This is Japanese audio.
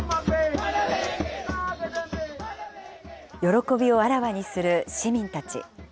喜びをあらわにする市民たち。